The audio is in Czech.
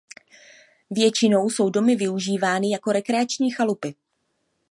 Většinou jsou domy využívány jako rekreační chalupy.